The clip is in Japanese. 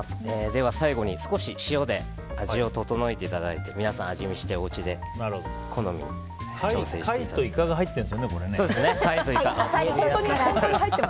では最後に少し塩で味を調えていただいて皆さん味見して、おうちで好みに調整していただいて。